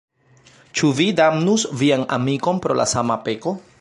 Ĉu vi damnus vian amikon pro la sama peko?